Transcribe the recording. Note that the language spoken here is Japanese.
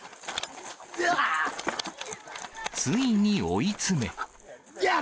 ついに追い詰め。